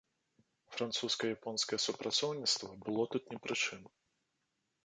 Французска-японскае супрацоўніцтва было тут не пры чым.